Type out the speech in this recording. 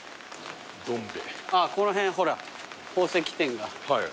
この辺ほら宝石店が。